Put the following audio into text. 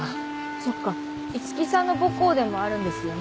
そっか五木さんの母校でもあるんですよね。